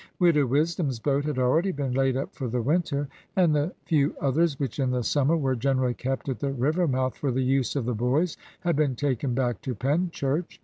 Widow Wisdom's boat had already been laid up for the winter; and the few others, which in the summer were generally kept at the river mouth for the use of the boys, had been taken back to Penchurch.